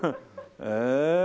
へえ。